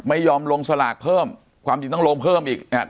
ไม่ยอมลงสลากเพิ่มความจริงต้องลงเพิ่มอีกเนี่ย